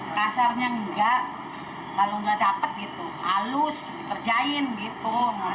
kasarnya enggak kalau nggak dapat gitu halus dikerjain gitu